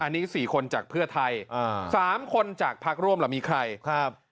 อันนี้๔คนจากเพื่อไทยสามคนจากพักร่วมล่ะมีใครครับ